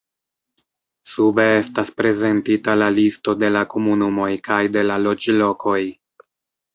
Sube estas prezentita la listo de la komunumoj kaj de la loĝlokoj.